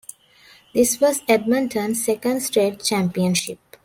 This was Edmonton's second-straight championship.